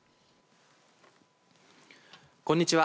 こんにちは。